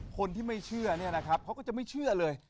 คนที่ไม่เชื่อเนี่ยนะครับเขาก็จะไม่เชื่อเลย